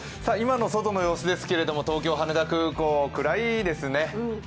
今の外の様子ですけれども、東京・羽田空港暗いですね。